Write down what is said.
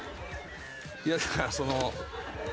いやだからその。